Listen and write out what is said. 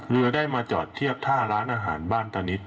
เรือได้มาจอดเทียบท่าร้านอาหารบ้านตานิด